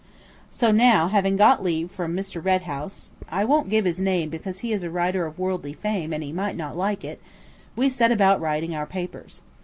So now, having got leave from Mr. Red House (I won't give his name because he is a writer of worldly fame and he might not like it), we set about writing our papers.